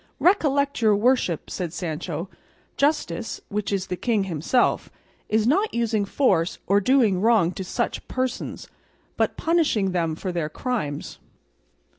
"Recollect, your worship," said Sancho, "Justice, which is the king himself, is not using force or doing wrong to such persons, but punishing them for their crimes."